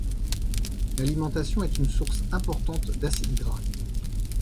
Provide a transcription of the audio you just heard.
L'alimentation est une source importante d'acides gras.